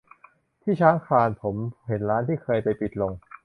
ที่ช้างคลานผมเห็นร้านที่เคยไปปิดลง